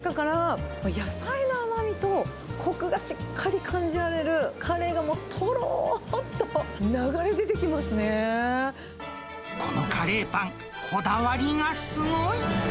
しっとりもっちもちの生地の中から、野菜の甘みとこくがしっかり感じられるカレーがもうとろーっと流このカレーパン、こだわりがすごい。